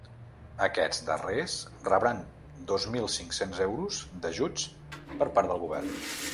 Aquests darrers rebran dos mil cinc-cents euros d’ajuts per part del govern.